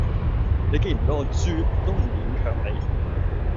你既然唔畀我啜，我都唔勉強你